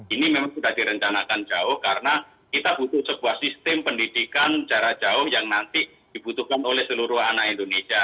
ini memang sudah direncanakan jauh karena kita butuh sebuah sistem pendidikan jarak jauh yang nanti dibutuhkan oleh seluruh anak indonesia